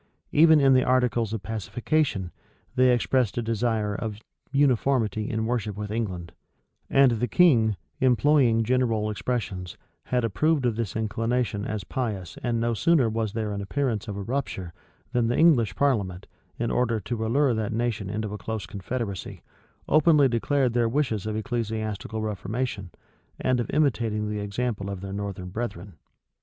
Even in the articles of pacification, they expressed a desire of uniformity in worship with England; and the king, employing general expressions, had approved of this inclination as pious and no sooner was there an appearance of a rupture, than the English parliament, in order to allure that nation into a close confederacy, openly declared their wishes of ecclesiastical reformation, and of imitating the example of their northern brethren.